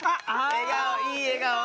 笑顔いい笑顔。